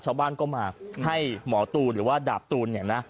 ชาวบ้านก็มาให้หมอตูนหรือว่าดาบตูนเนี่ยนะ